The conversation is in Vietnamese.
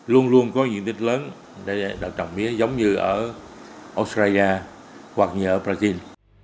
luôn luôn có diện tích lớn để được trồng mía giống như ở australia hoặc như ở brazil